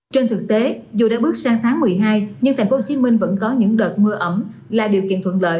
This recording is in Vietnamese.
trên thực tế dù đã bước sang tháng một mươi hai nhưng thành phố hồ chí minh vẫn có những đợt mưa ẩm là điều kiện thuận lợi